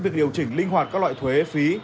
việc điều chỉnh linh hoạt các loại thuế phí